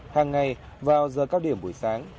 hàng ngày vào giờ cao điểm buổi sáng